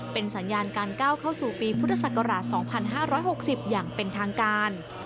เป็นสัญญาณการก้าวเข้าสู่ปีพุทธศักราช๒๕๖๐อย่างเป็นทางการ